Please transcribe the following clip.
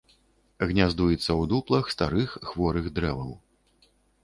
Гняздуецца ў дуплах старых хворых дрэваў.